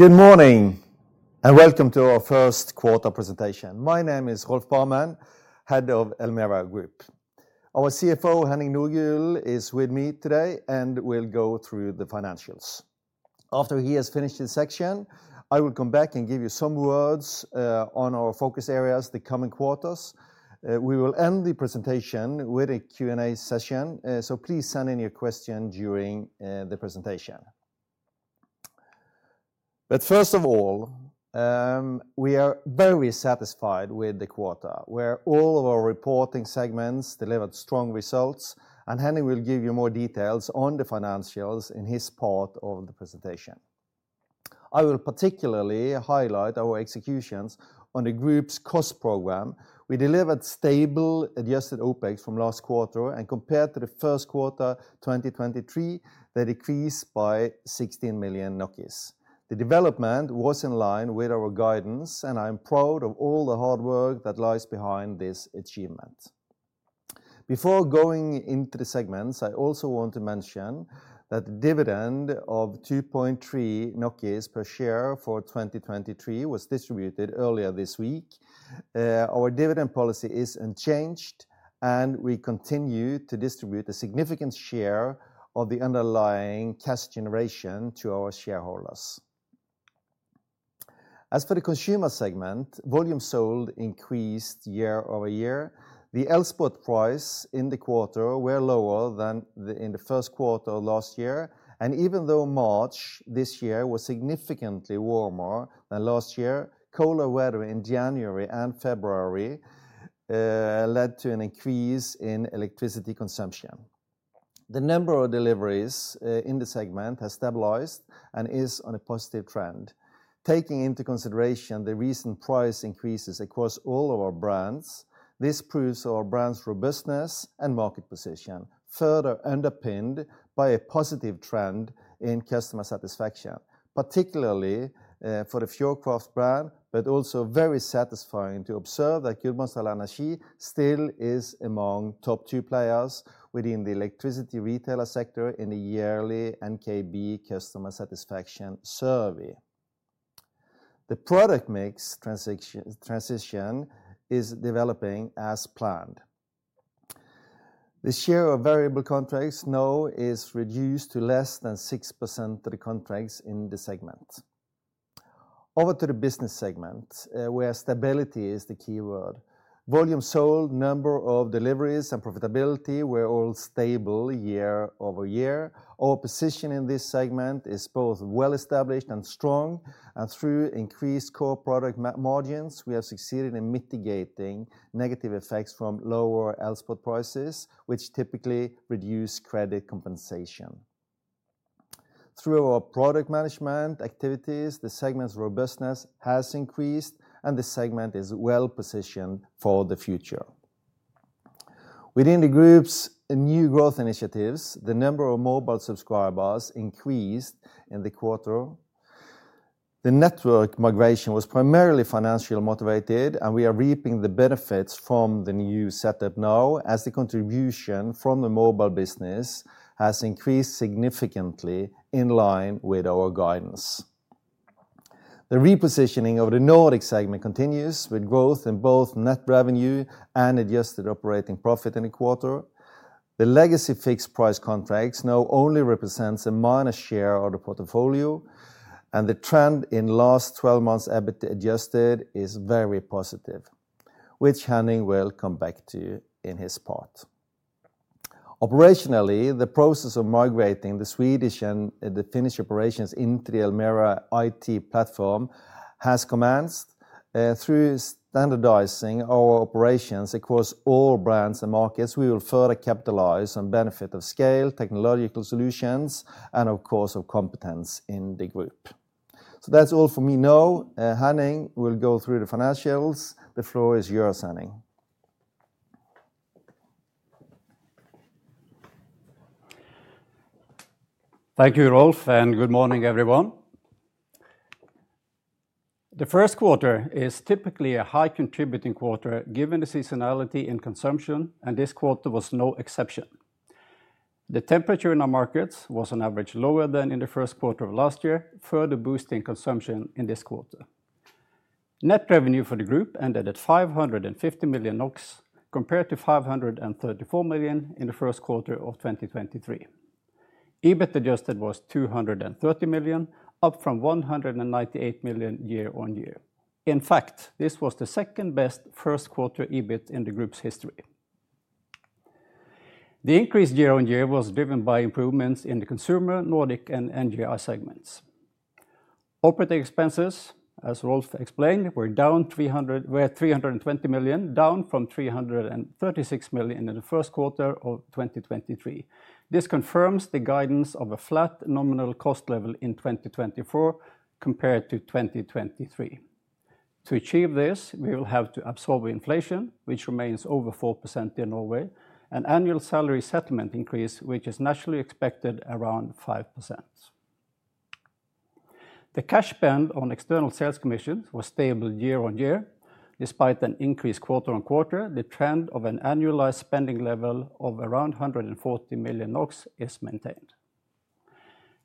Good morning and welcome to our first quarter presentation. My name is Rolf Barmen, head of Elmera Group. Our CFO, Henning Nordgulen, is with me today and will go through the financials. After he has finished his section, I will come back and give you some words on our focus areas the coming quarters. We will end the presentation with a Q&A session, so please send in your question during the presentation. But first of all, we are very satisfied with the quarter, where all of our reporting segments delivered strong results, and Henning will give you more details on the financials in his part of the presentation. I will particularly highlight our executions on the group's cost program. We delivered stable adjusted OPEX from last quarter, and compared to the first quarter 2023, they decreased by 16 million. The development was in line with our guidance, and I am proud of all the hard work that lies behind this achievement. Before going into the segments, I also want to mention that the dividend of 2.3 NOK per share for 2023 was distributed earlier this week. Our dividend policy is unchanged, and we continue to distribute a significant share of the underlying cash generation to our shareholders. As for the consumer segment, volume sold increased year-over-year. The Elspot price in the quarter was lower than in the first quarter of last year, and even though March this year was significantly warmer than last year, cooler weather in January and February led to an increase in electricity consumption. The number of deliveries in the segment has stabilized and is on a positive trend. Taking into consideration the recent price increases across all of our brands, this proves our brand's robustness and market position, further underpinned by a positive trend in customer satisfaction, particularly for the Fjordkraft brand, but also very satisfying to observe that Gudbrandsdal Energi still is among top two players within the electricity retailer sector in the yearly NKB customer satisfaction survey. The product mix transition is developing as planned. The share of variable contracts now is reduced to less than 6% of the contracts in the segment. Over to the business segment, where stability is the keyword. Volume sold, number of deliveries, and profitability were all stable year-over-year. Our position in this segment is both well-established and strong, and through increased core product margins, we have succeeded in mitigating negative effects from lower Elspot prices, which typically reduce credit compensation. Through our product management activities, the segment's robustness has increased, and the segment is well-positioned for the future. Within the group's new growth initiatives, the number of mobile subscribers increased in the quarter. The network migration was primarily financially motivated, and we are reaping the benefits from the new setup now as the contribution from the mobile business has increased significantly in line with our guidance. The repositioning of the Nordic segment continues, with growth in both net revenue and adjusted operating profit in the quarter. The legacy fixed-price contracts now only represent a minor share of the portfolio, and the trend in last 12 months EBITDA adjusted is very positive, which Henning will come back to in his part. Operationally, the process of migrating the Swedish and the Finnish operations into the Elmera IT platform has commenced. Through standardizing our operations across all brands and markets, we will further capitalize on the benefit of scale, technological solutions, and, of course, of competence in the group. So that's all for me now. Henning will go through the financials. The floor is yours, Henning. Thank you, Rolf, and good morning, everyone. The first quarter is typically a high-contributing quarter given the seasonality in consumption, and this quarter was no exception. The temperature in our markets was on average lower than in the first quarter of last year, further boosting consumption in this quarter. Net revenue for the group ended at 550 million NOK compared to 534 million NOK in the first quarter of 2023. EBITDA adjusted was 230 million NOK, up from 198 million NOK year-over-year. In fact, this was the second-best first-quarter EBIT in the group's history. The increase year-over-year was driven by improvements in the consumer, Nordic, and NGI segments. Operating expenses, as Rolf explained, were 320 million NOK, down from 336 million NOK in the first quarter of 2023. This confirms the guidance of a flat nominal cost level in 2024 compared to 2023. To achieve this, we will have to absorb inflation, which remains over 4% in Norway, and annual salary settlement increase, which is naturally expected around 5%. The cash spend on external sales commissions was stable year-on-year. Despite an increase quarter-on-quarter, the trend of an annualized spending level of around 140 million NOK is maintained.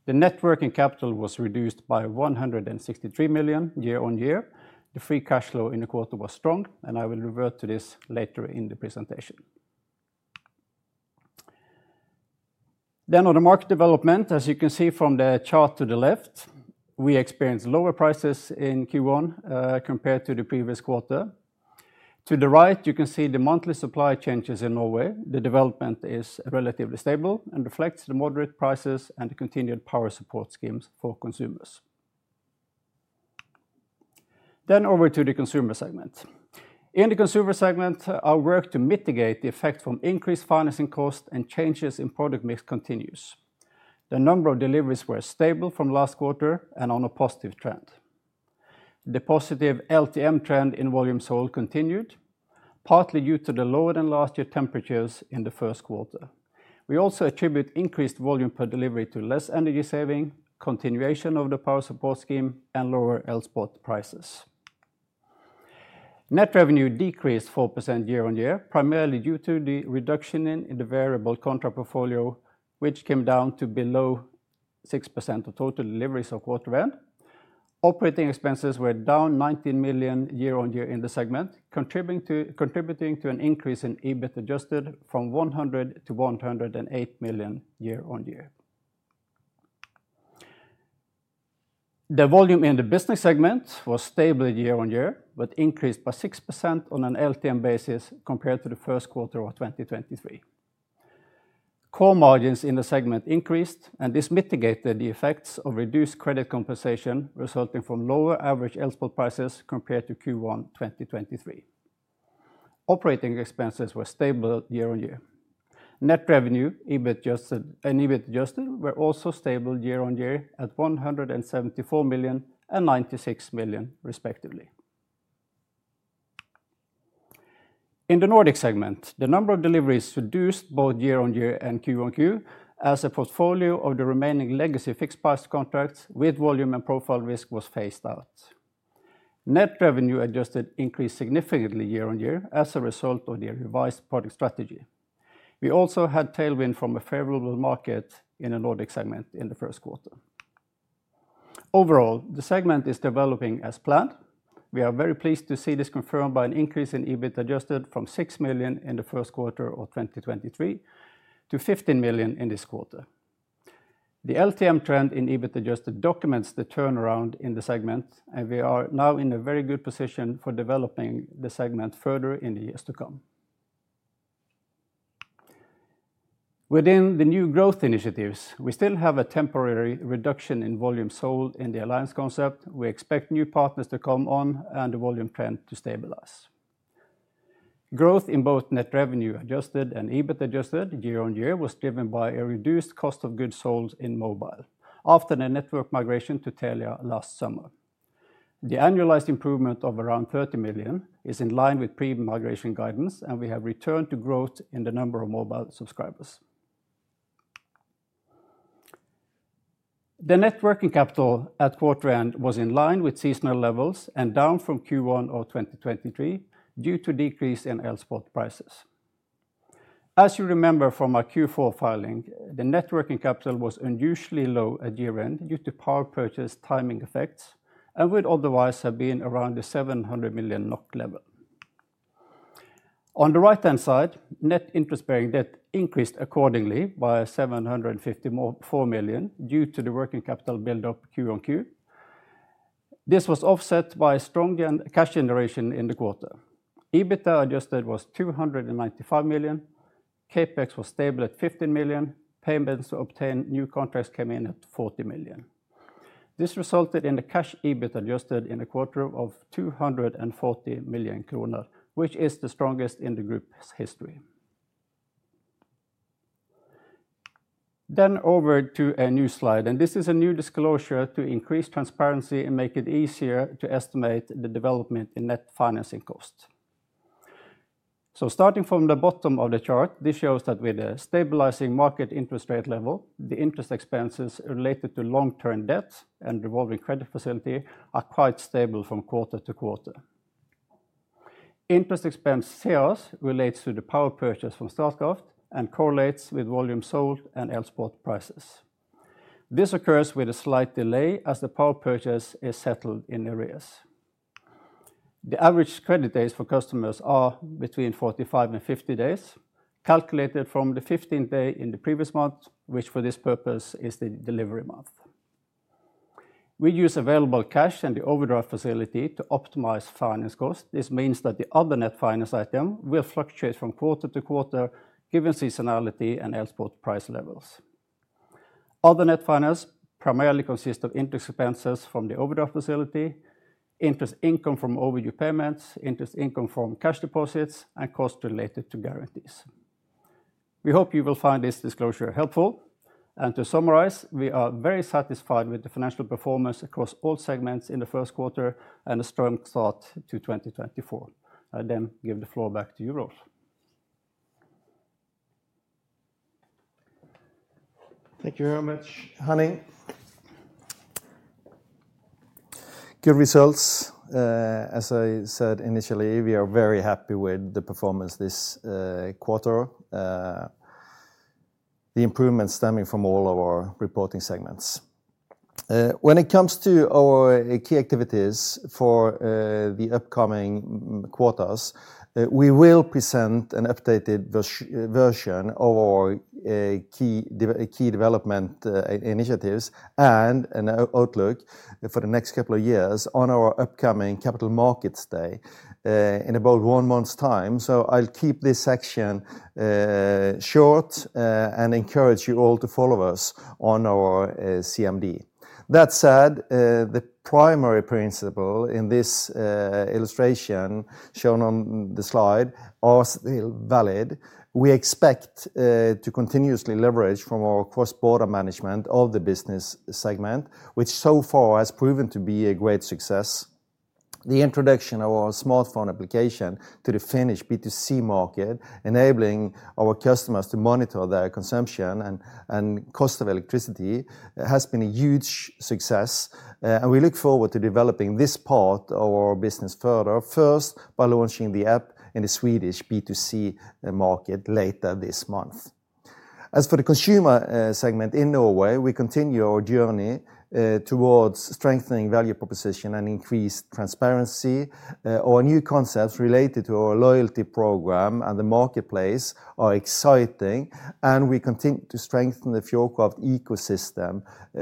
The net working capital was reduced by 163 million NOK year-on-year. The free cash flow in the quarter was strong, and I will revert to this later in the presentation. Then, on the market development, as you can see from the chart to the left, we experienced lower prices in Q1 compared to the previous quarter. To the right, you can see the monthly supply changes in Norway. The development is relatively stable and reflects the moderate prices and the continued power support schemes for consumers. Then, over to the consumer segment. In the consumer segment, our work to mitigate the effect from increased financing costs and changes in product mix continues. The number of deliveries was stable from last quarter and on a positive trend. The positive LTM trend in volume sold continued, partly due to the lower-than-last-year temperatures in the first quarter. We also attribute increased volume per delivery to less energy saving, continuation of the power support scheme, and lower Elspot prices. Net revenue decreased 4% year-over-year, primarily due to the reduction in the variable contra portfolio, which came down to below 6% of total deliveries at quarter-end. Operating expenses were down 19 million year-over-year in the segment, contributing to an increase in EBITDA adjusted from 100 million to NOK 108 million year-over-year. The volume in the business segment was stable year-over-year, but increased by 6% on an LTM basis compared to the first quarter of 2023. Core margins in the segment increased, and this mitigated the effects of reduced credit compensation resulting from lower average Elspot prices compared to Q1 2023. Operating expenses were stable year-over-year. Net revenue and EBITDA adjusted were also stable year-over-year at 174 million and 96 million, respectively. In the Nordic segment, the number of deliveries reduced both year-over-year and Q-on-Q as a portfolio of the remaining legacy fixed-price contracts with volume and profile risk was phased out. Net revenue adjusted increased significantly year-over-year as a result of their revised product strategy. We also had tailwind from a favorable market in the Nordic segment in the first quarter. Overall, the segment is developing as planned. We are very pleased to see this confirmed by an increase in EBITDA adjusted from 6 million in the first quarter of 2023 to 15 million in this quarter. The LTM trend in EBITDA adjusted documents the turnaround in the segment, and we are now in a very good position for developing the segment further in the years to come. Within the new growth initiatives, we still have a temporary reduction in volume sold in the alliance concept. We expect new partners to come on and the volume trend to stabilize. Growth in both net revenue adjusted and EBITDA adjusted year-over-year was driven by a reduced cost of goods sold in mobile after the network migration to Telia last summer. The annualized improvement of around 30 million is in line with pre-migration guidance, and we have returned to growth in the number of mobile subscribers. The net working capital at quarter end was in line with seasonal levels and down from Q1 of 2023 due to decrease in Elspot prices. As you remember from our Q4 filing, the net working capital was unusually low at year end due to power purchase timing effects and would otherwise have been around the 700 million NOK level. On the right-hand side, net interest-bearing debt increased accordingly by 754 million due to the working capital buildup Q on Q. This was offset by strong cash generation in the quarter. EBITDA adjusted was 295 million. CapEx was stable at 15 million. Payments to obtain new contracts came in at 40 million. This resulted in a cash EBITDA adjusted in a quarter of 240 million kroner, which is the strongest in the group's history. Over to a new slide, and this is a new disclosure to increase transparency and make it easier to estimate the development in net financing costs. Starting from the bottom of the chart, this shows that with a stabilizing market interest rate level, the interest expenses related to long-term debt and revolving credit facility are quite stable from quarter to quarter. Interest expense sales relate to the power purchase from Statkraft and correlate with volume sold and Elspot prices. This occurs with a slight delay as the power purchase is settled in arrears. The average credit days for customers are between 45 and 50 days, calculated from the 15th day in the previous month, which for this purpose is the delivery month. We use available cash and the overdraft facility to optimize finance costs. This means that the other net finance item will fluctuate from quarter to quarter given seasonality and Elspot price levels. Other net finance primarily consists of interest expenses from the overdraft facility, interest income from overdue payments, interest income from cash deposits, and costs related to guarantees. We hope you will find this disclosure helpful. To summarize, we are very satisfied with the financial performance across all segments in the first quarter and a strong start to 2024. I then give the floor back to you, Rolf. Thank you very much, Henning. Good results. As I said initially, we are very happy with the performance this quarter, the improvements stemming from all of our reporting segments. When it comes to our key activities for the upcoming quarters, we will present an updated version of our key development initiatives and an outlook for the next couple of years on our upcoming Capital Markets Day in about one month's time. So I'll keep this section short and encourage you all to follow us on our CMD. That said, the primary principle in this illustration shown on the slide is still valid. We expect to continuously leverage from our cross-border management of the business segment, which so far has proven to be a great success. The introduction of our smartphone application to the Finnish B2C market, enabling our customers to monitor their consumption and cost of electricity, has been a huge success. We look forward to developing this part of our business further, first by launching the app in the Swedish B2C market later this month. As for the consumer segment in Norway, we continue our journey towards strengthening value proposition and increased transparency. Our new concepts related to our loyalty program and the marketplace are exciting, and we continue to strengthen the Fjordkraft ecosystem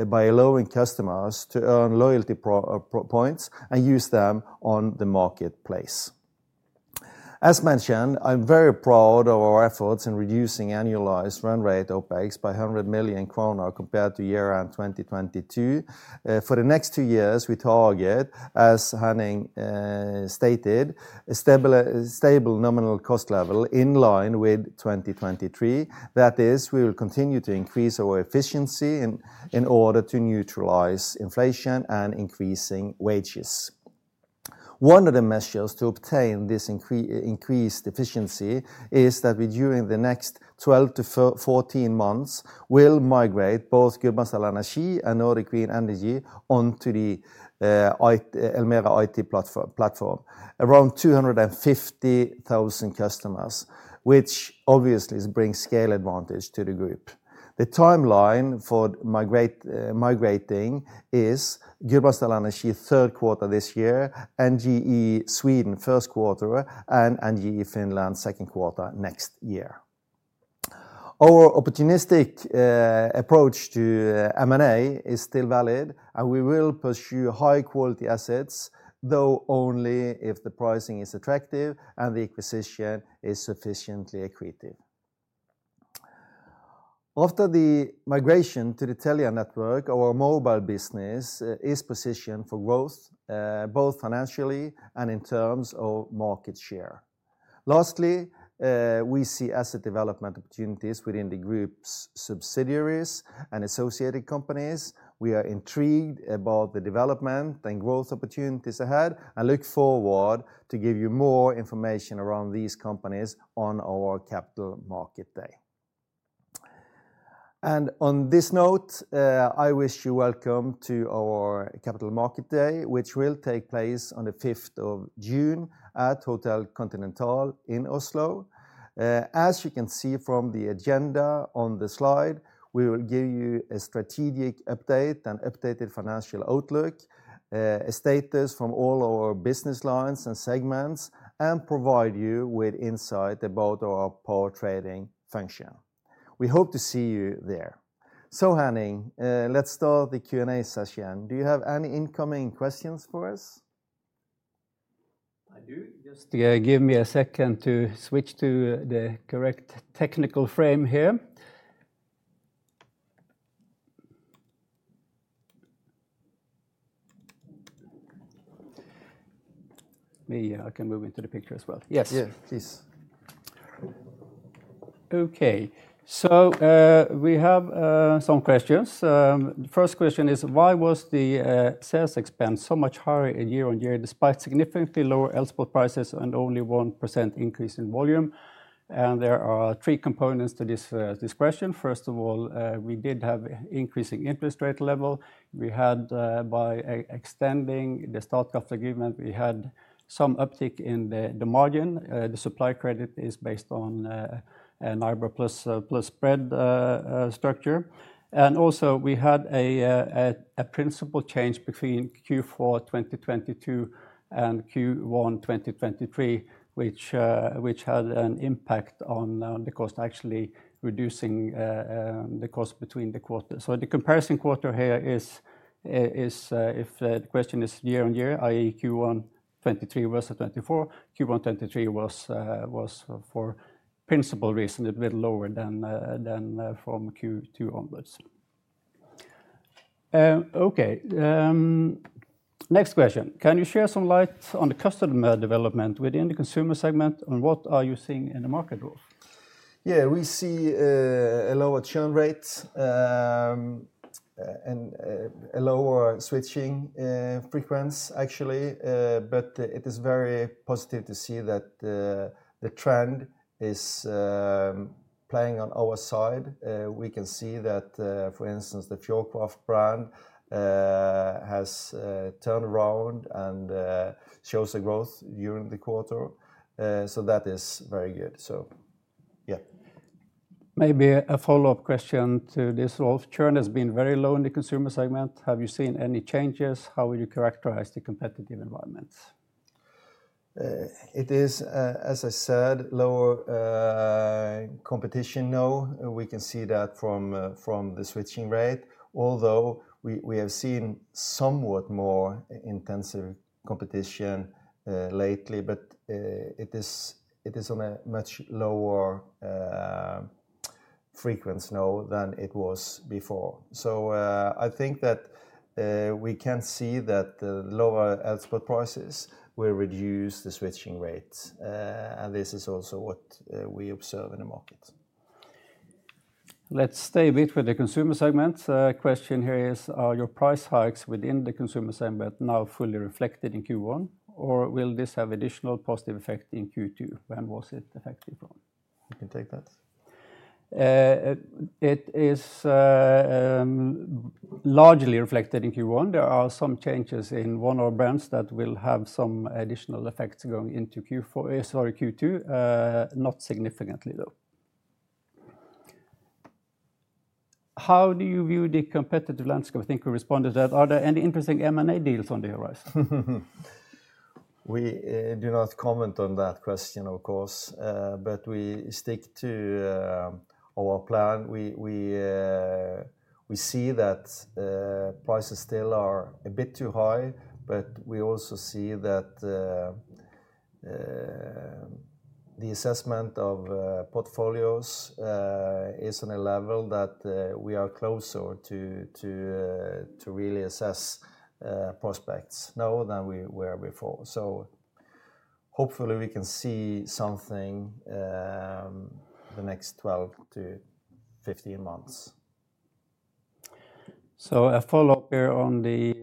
by allowing customers to earn loyalty points and use them on the marketplace. As mentioned, I'm very proud of our efforts in reducing annualized run rate OPEX by 100 million kroner compared to year-end 2022. For the next two years, we target, as Henning stated, a stable nominal cost level in line with 2023. That is, we will continue to increase our efficiency in order to neutralize inflation and increasing wages. One of the measures to obtain this increased efficiency is that we, during the next 12-14 months, will migrate both Gudbrandsdal Energi and Nordic Green Energy onto the Elmera IT platform, around 250,000 customers, which obviously brings scale advantage to the group. The timeline for migrating is Gudbrandsdal Energi third quarter this year, NGE Sweden first quarter, and NGE Finland second quarter next year. Our opportunistic approach to M&A is still valid, and we will pursue high-quality assets, though only if the pricing is attractive and the acquisition is sufficiently accretive. After the migration to the Telia network, our mobile business is positioned for growth, both financially and in terms of market share. Lastly, we see asset development opportunities within the group's subsidiaries and associated companies. We are intrigued about the development and growth opportunities ahead and look forward to giving you more information around these companies on our Capital Markets Day. On this note, I wish you welcome to our Capital Markets Day, which will take place on the 5th of June at Hotel Continental in Oslo. As you can see from the agenda on the slide, we will give you a strategic update and updated financial outlook, a status from all our business lines and segments, and provide you with insight about our power trading function. We hope to see you there. So, Henning, let's start the Q&A session. Do you have any incoming questions for us? I do. Just give me a second to switch to the correct technical frame here. Maybe I can move into the picture as well. Yes. Yeah, please. Okay. So we have some questions. The first question is, why was the sales expense so much higher year-over-year despite significantly lower Elspot prices and only 1% increase in volume? And there are three components to this question. First of all, we did have an increasing interest rate level. By extending the Statkraft agreement, we had some uptick in the margin. The supply credit is based on an IBOR plus spread structure. And also, we had a principal change between Q4 2022 and Q1 2023, which had an impact on the cost, actually reducing the cost between the quarters. So the comparison quarter here is if the question is year-over-year, i.e., Q1 2023 versus 2024, Q1 2023 was for principal reason a bit lower than from Q2 onwards. Okay. Next question. Can you share some light on the customer development within the consumer segment and what are you seeing in the market rules? Yeah, we see a lower churn rate and a lower switching frequency, actually. But it is very positive to see that the trend is playing on our side. We can see that, for instance, the Fjordkraft brand has turned around and shows a growth during the quarter. So that is very good. So yeah. Maybe a follow-up question to this, Rolf. Churn has been very low in the consumer segment. Have you seen any changes? How would you characterize the competitive environment? It is, as I said, lower competition now. We can see that from the switching rate, although we have seen somewhat more intensive competition lately. But it is on a much lower frequency now than it was before. So I think that we can see that the lower Elspot prices will reduce the switching rates. And this is also what we observe in the market. Let's stay a bit with the consumer segment. Question here is, are your price hikes within the consumer segment now fully reflected in Q1, or will this have additional positive effects in Q2? When was it effective from? You can take that. It is largely reflected in Q1. There are some changes in one of our brands that will have some additional effects going into Q2, not significantly, though. How do you view the competitive landscape? I think we responded to that. Are there any interesting M&A deals on the horizon? We do not comment on that question, of course. But we stick to our plan. We see that prices still are a bit too high, but we also see that the assessment of portfolios is on a level that we are closer to really assess prospects now than we were before. So hopefully, we can see something the next 12-15 months. So a follow-up here on the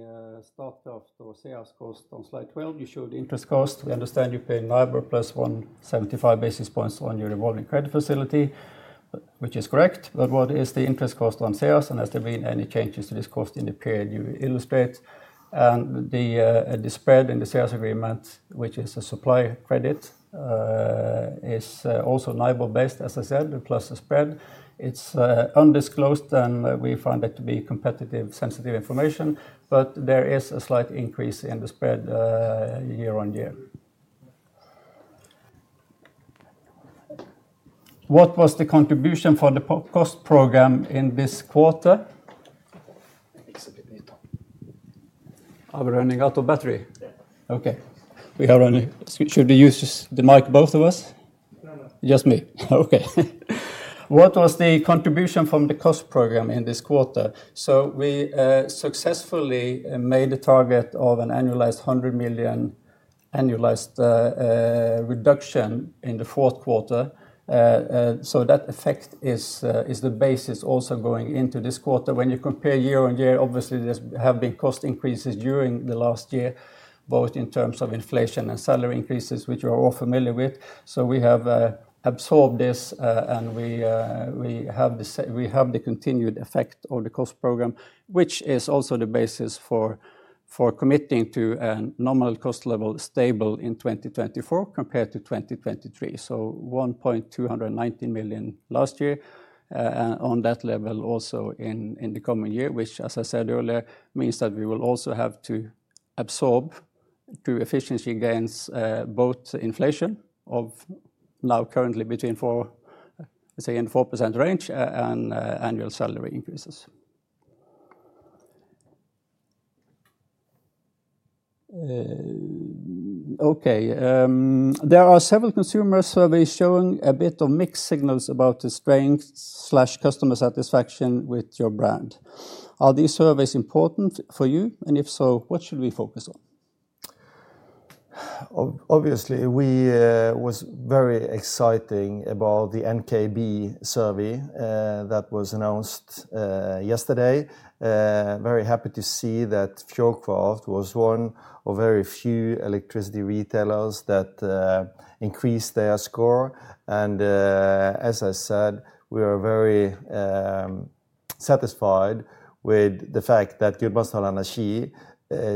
Statkraft or sales cost on slide 12. You showed interest cost. We understand you pay an IBOR plus 175 basis points on your revolving credit facility, which is correct. But what is the interest cost on sales, and has there been any changes to this cost in the period you illustrate? And the spread in the sales agreement, which is a supply credit, is also IBOR-based, as I said, plus a spread. It's undisclosed, and we find that to be competitive, sensitive information. But there is a slight increase in the spread year-over-year. What was the contribution for the cost program in this quarter? Are we running out of battery? Yeah. Okay. Should we use the mic, both of us? No, no. Just me? Okay. What was the contribution from the cost program in this quarter? So we successfully made the target of an annualized 100 million annualized reduction in the fourth quarter. So that effect is the basis also going into this quarter. When you compare year-on-year, obviously, there have been cost increases during the last year, both in terms of inflation and salary increases, which you are all familiar with. So we have absorbed this, and we have the continued effect of the cost program, which is also the basis for committing to a nominal cost level stable in 2024 compared to 2023. So 1.219 million last year, and on that level also in the coming year, which, as I said earlier, means that we will also have to absorb efficiency gains both inflation of now currently between 4% range and annual salary increases. Okay. There are several consumer surveys showing a bit of mixed signals about the strength/customer satisfaction with your brand. Are these surveys important for you? If so, what should we focus on? Obviously, it was very exciting about the NKB survey that was announced yesterday. Very happy to see that Fjordkraft was one of very few electricity retailers that increased their score. As I said, we are very satisfied with the fact that Gudbrandsdal Energi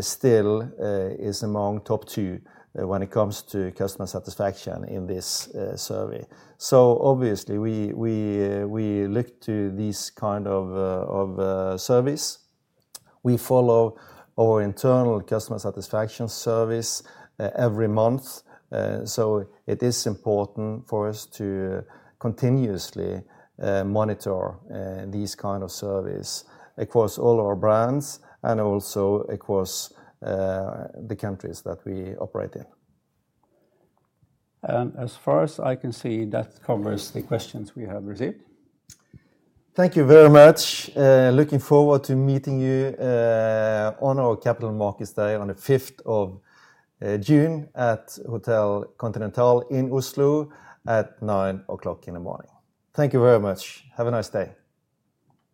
still is among top two when it comes to customer satisfaction in this survey. Obviously, we look to these kinds of surveys. We follow our internal customer satisfaction surveys every month. It is important for us to continuously monitor these kinds of surveys across all our brands and also across the countries that we operate in. As far as I can see, that covers the questions we have received. Thank you very much. Looking forward to meeting you on our Capital Markets Day on the 5th of June at Hotel Continental in Oslo at 9:00 A.M. Thank you very much. Have a nice day.